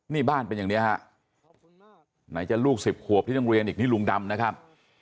นี่บ้านเป็นอย่างนี้ฮะไหนจะลูก๑๐ขวบที่ต้องเรียนอีกนี่ลุงดำนะครับ